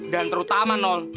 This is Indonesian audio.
dan terutama nol